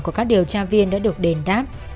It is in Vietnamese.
của các điều tra viên đã được đền đáp